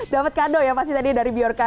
dapat kado ya pasti tadi dari biorca